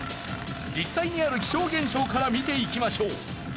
実際にある気象現象から見ていきましょう。